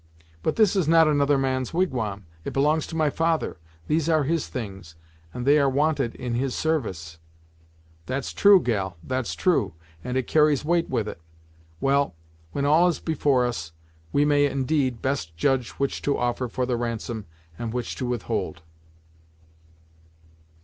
"But this is not another man's wigwam; it belongs to my father, these are his things, and they are wanted in his service." "That's true, gal; that's true, and it carries weight with it. Well, when all is before us we may, indeed, best judge which to offer for the ransom, and which to withhold."